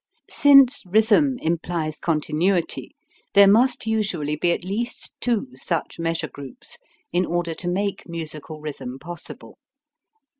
Since rhythm implies continuity, there must usually be at least two such measure groups in order to make musical rhythm possible.